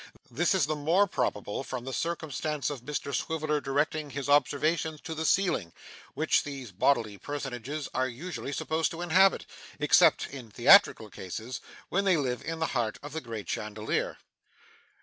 This is the more probable from the circumstance of Mr Swiveller directing his observations to the ceiling, which these bodily personages are usually supposed to inhabit except in theatrical cases, when they live in the heart of the great chandelier.